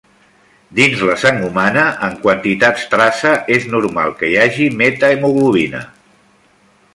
Dins la sang humana, en quantitats traça, és normal que hi hagi metahemoglobina.